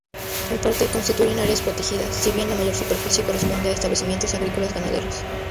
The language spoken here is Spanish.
En parte constituyen áreas protegidas, si bien la mayor superficie corresponde a establecimientos agrícolo-ganaderos.